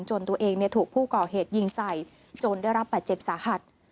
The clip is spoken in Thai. ตัวเองถูกผู้ก่อเหตุยิงใส่จนได้รับบาดเจ็บสาหัส